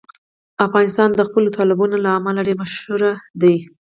افغانستان د خپلو تالابونو له امله هم ډېر مشهور دی.